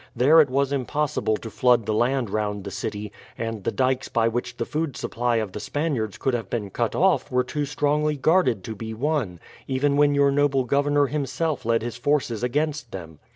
There it was impossible to flood the land round the city; and the dykes by which the food supply of the Spaniards could have been cut off were too strongly guarded to be won, even when your noble governor himself led his forces against them.